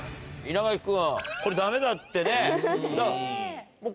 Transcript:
稲垣君これダメだってね。